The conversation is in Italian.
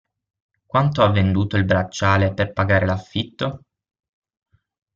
Quanto ha venduto il bracciale per pagare l‘affitto?